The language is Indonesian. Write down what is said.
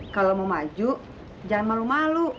kalau mau maju jangan malu malu